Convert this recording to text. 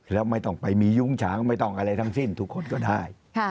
แล้วไม่ต้องไปมียุ้งฉางไม่ต้องอะไรทั้งสิ้นทุกคนก็ได้